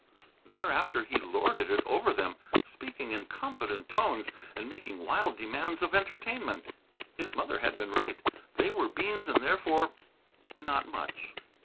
Thereafter he lorded it over them, speaking in confident tones and making wild demands of entertainment. His mother had been right. They were Beans and, therefore, not much.